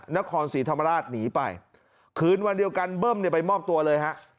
นครศรีธรรมราชหนีไปคืนวันเดียวกันเบิ้มเนี่ยไปมอบตัวเลยฮะ